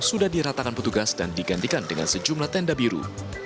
sudah diratakan petugas dan digantikan dengan sejumlah tenda biru